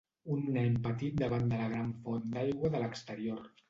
Un nen petit davant de la gran font d'aigua de l'exterior.